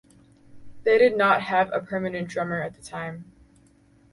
They did not have a permanent drummer at the time.